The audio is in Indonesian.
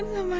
apa yang itu